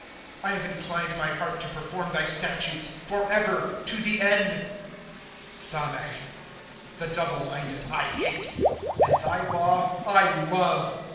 2 I have inclined my heart to perform thy statutes, Forever, to the end. Samech. ^ The double minded I hate, And thy law I love.